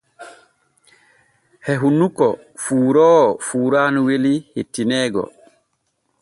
E hunnuko fuuroowo fuuraanu weli hettineego.